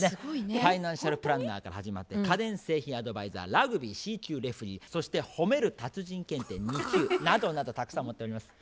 ファイナンシャルプランナーから始まって家電製品アドバイザーラグビーＣ級レフリーそしてほめる達人検定２級などなどたくさん持っております。